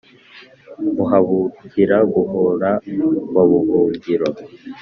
Muhabukira-guhora wa Buhungiro